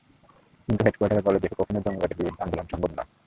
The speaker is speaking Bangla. কিন্তু হেড কোয়ার্টারে গলদ রেখে কখনোই জঙ্গিবাদের বিরুদ্ধে আন্দোলন সম্ভব নয়।